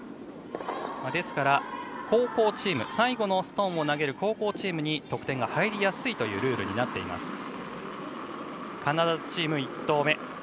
ですから最後のストーンを投げる後攻チームに得点が入りやすいというルールになっています。